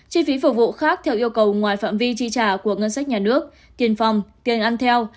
chi phí phục vụ khác theo yêu cầu ngoài phạm vi chi trả của ngân sách nhà nước tiền phòng tiền ăn theo